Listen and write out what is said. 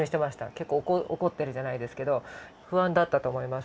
結構怒ってるじゃないですけど不安だったと思います。